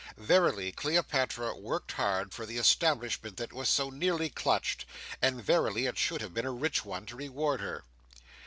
Verily, Cleopatra worked hard, for the establishment that was so nearly clutched; and verily it should have been a rich one to reward her!